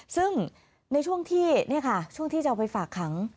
ซึ่งในช่วงที่นี่ค่ะช่วงที่จะเอาไปฝากขัง